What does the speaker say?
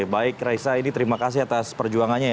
baik raisa ini terima kasih atas perjuangannya ya